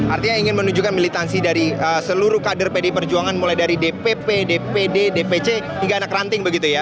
artinya ingin menunjukkan militansi dari seluruh kader pdi perjuangan mulai dari dpp dpd dpc hingga anak ranting begitu ya